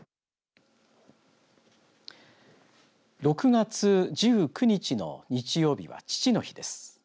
６月１９日の日曜日は父の日です。